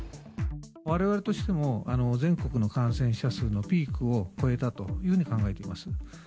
われわれとしても、全国の感染者数のピークを越えたというふうに考えています。